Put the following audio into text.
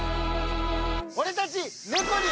俺たち。